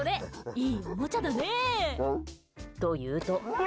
いいおもちゃだね！と言うと。